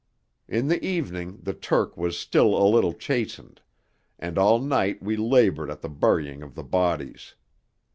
In the evening the Turk was still a little chastened, and all night we laboured at the burying of the bodies.